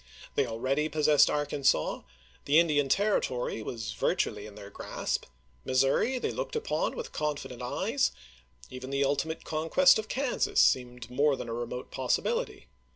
They already possessed Arkansas ; the Indian Territory was virtually in their grasp ; Missouri they looked upon with confident eyes ; even the ultimate conquest of Kansas seemed more than a remote possibility.